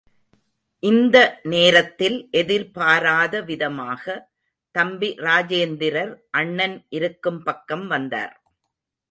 இந்த நேரத்தில் எதிர்பாராத விதமாக, தம்பி ராஜேந்திரர் அண்ணன் இருக்கும் பக்கம் வந்தார்.